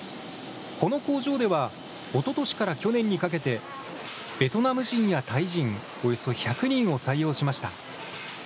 この工場では、おととしから去年にかけて、ベトナム人やタイ人、およそ１００人を採用しました。